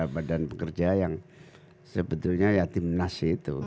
badan pekerja yang sebetulnya ya tim nas itu